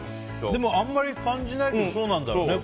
でも、あんまり感じないけどそうなんだろうね